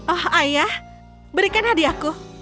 oh ayah berikan hadiahku